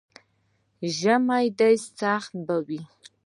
ژمی دی، سخته به وي.